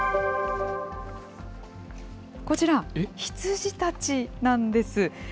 こちら、羊たちなんです。